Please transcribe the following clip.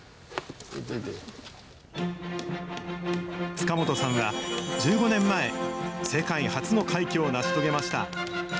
塚本さんは１５年前、世界初の快挙を成し遂げました。